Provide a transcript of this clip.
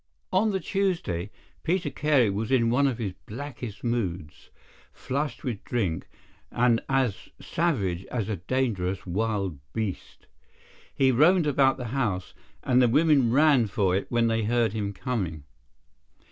"On the Tuesday, Peter Carey was in one of his blackest moods, flushed with drink and as savage as a dangerous wild beast. He roamed about the house, and the women ran for it when they heard him coming.